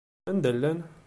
Anda llan?